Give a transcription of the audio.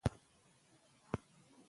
افغانستان په کلي غني دی.